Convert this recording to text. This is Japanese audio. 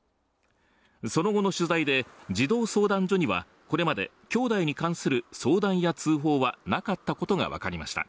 その後の取材で児童相談所にはこれまで兄弟に関する相談や通報はなかったことが分かりました。